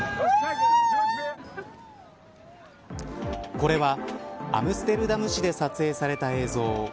これはアムステルダム市で撮影された映像。